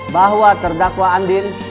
bahwa terdakwa andi